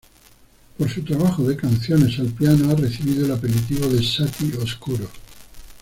Por su trabajo de canciones al piano ha recibido el apelativo de Satie oscuro.